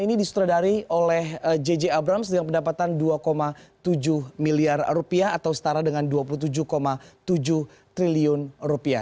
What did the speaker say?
film ini di sutradari oleh j j abrams dengan pendapatan dua tujuh miliar rupiah atau setara dengan dua puluh tujuh tujuh triliun rupiah